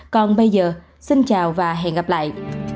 còn bây giờ xin chào và hẹn gặp lại